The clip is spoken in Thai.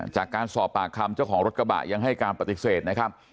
จากการสอบปากคำเจ้าของรถกระบะยังให้การปฏิเสธนะครับ